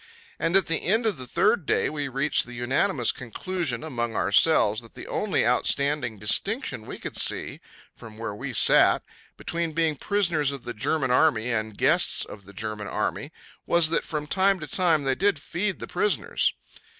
And at the end of the third day we reached the unanimous conclusion among ourselves that the only outstanding distinction we could see, from where we sat, between being prisoners of the German Army and guests of the German Army was that from time to time they did feed the prisoners.